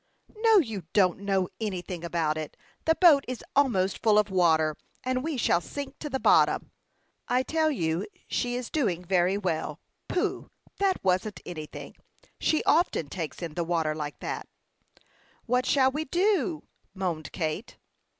"No; you don't know anything about it. The boat is almost full of water, and we shall sink to the bottom." "I tell you she is doing very well. Pooh! that wasn't anything! She often takes in the water like that." "What shall we do?" moaned Kate.